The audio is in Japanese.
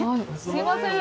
すいません。